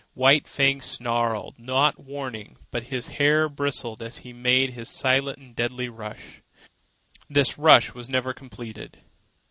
White Fang snarled no warning, but his hair bristled as he made his silent and deadly rush. This rush was never completed.